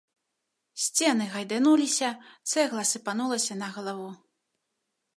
Сцены гайдануліся, цэгла сыпанулася на галаву.